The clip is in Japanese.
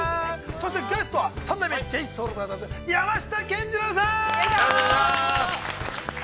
そして、ゲストは三代目ＪＳＯＵＬＢＲＯＴＨＥＲＳ山下健二郎さん。